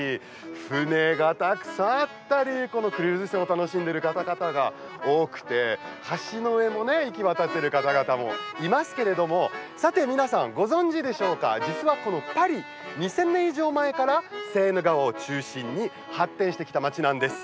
船がたくさんあったりこの景色を楽しんでる方が多くて、橋の上を行きわたっている方々もいますが皆さん、ご存じでしょうか実はこのパリ２０００年以上前からセーヌ川を中心に発展してきた街なんです。